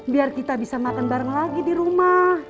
biar kita bisa makan bareng lagi di rumah